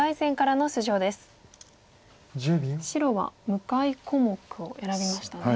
白は向かい小目を選びましたね。